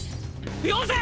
よせ！